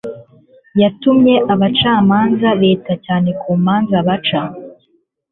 yatumye abacamanza bita cyane ku manza baca